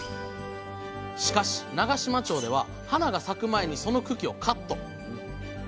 しかし長島町では花が咲く前にその茎をカット。